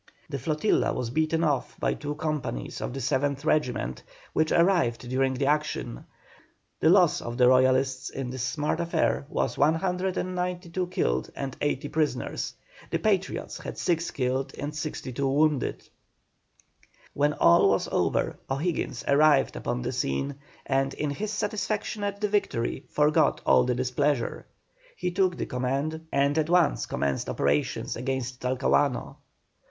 The flotilla was beaten off by two companies of the 7th Regiment, which arrived during the action. The loss of the Royalists in this smart affair was 192 killed and 80 prisoners. The Patriots had 6 killed and 62 wounded. When all was over O'Higgins arrived upon the scene, and in his satisfaction at the victory forgot all his displeasure. He took the command, and at once commenced operations against Talcahuano.